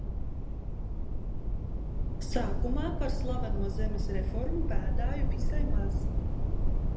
Sākumā par slaveno zemes reformu bēdāju visai maz.